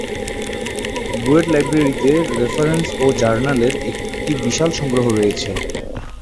বুয়েট লাইব্রেরীতে রেফারেন্স ও জার্নালের একটি বিশাল সংগ্রহ রয়েছে।